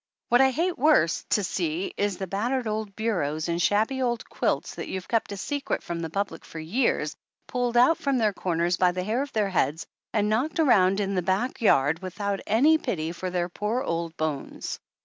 What I hate worst to see is the battered old bureaus and shabby old quilts that you've kept a secret from the public for years pulled out from their corners by the hair of their heads and knocked around in the back 249 THE ANNALS OF ANN yard without any pity for their poor old bones